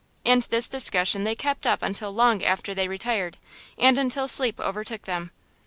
And this discussion they kept up until long after they retired, and until sleep overtook them.